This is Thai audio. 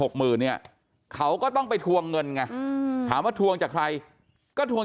หมื่นเนี่ยเขาก็ต้องไปทวงเงินไงถามว่าทวงจากใครก็ทวง